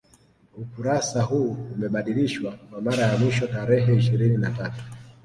Ukurasa huu umebadilishwa kwa mara ya mwisho tarehe ishirini na tatu